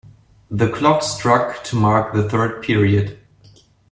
The clock struck to mark the third period.